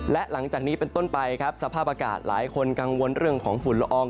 และหลังจากนี้เป็นต้นไปครับสภาพอากาศหลายคนกังวลเรื่องของฝุ่นละออง